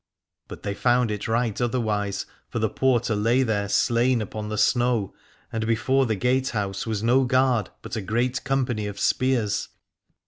But they found it right otherwise, for the porter lay there slain upon the snow, 344 Aladore and before the gatehouse was no guard, but a great company of spears.